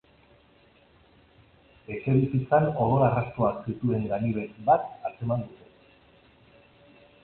Etxebizitzan odol arrastoak zituen ganibet bat atzeman dute.